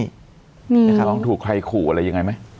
มีน้องถูกใครขู่อะไรยังไงไหม